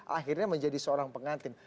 akhirnya menjadi seorang pengantin